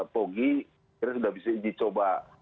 pog kita sudah bisa dicoba